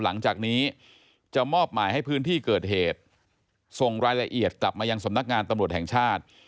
หลังจากนี้จะมอบหมายให้พื้นที่เกิดเหตุส่งรายละเอียดกลับมายังสำนักงานตำรวจแห่งชาติ